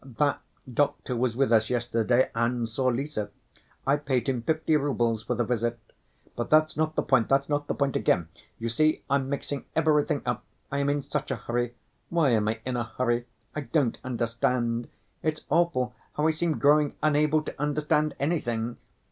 That doctor was with us yesterday and saw Lise.... I paid him fifty roubles for the visit. But that's not the point, that's not the point again. You see, I'm mixing everything up. I am in such a hurry. Why am I in a hurry? I don't understand. It's awful how I seem growing unable to understand anything.